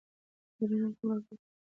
سکرینونه د تمرکز مخه نیسي.